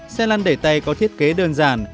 xe lăn đẩy tay có thiết kế đơn giản